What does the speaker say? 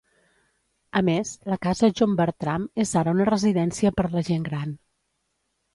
A més, la Casa John Bertram és ara una residència per la gent gran.